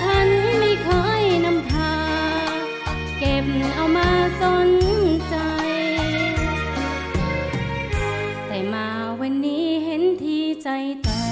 ฉันไม่เคยนำพาเก็บเอามาสนใจแต่มาวันนี้เห็นทีใจตา